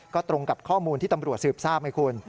ก็ตรงกับข้อมูลที่ตำรวจสืบทราบไหมคุณ